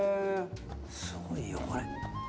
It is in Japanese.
すごいよこれ。